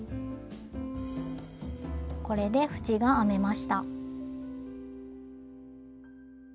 これで縁が編めました。